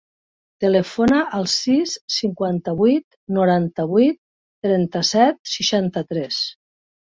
Telefona al sis, cinquanta-vuit, noranta-vuit, trenta-set, seixanta-tres.